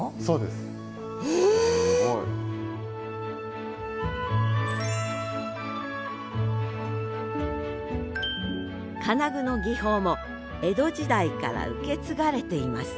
すごい！金具の技法も江戸時代から受け継がれています